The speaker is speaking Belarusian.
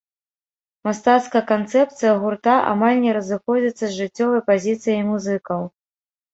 Мастацкая канцэпцыя гурта амаль не разыходзіцца з жыццёвай пазіцыяй музыкаў.